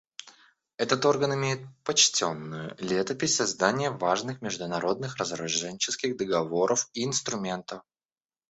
Этот орган имеет почтенную летопись создания важных международных разоруженческих договоров и инструментов.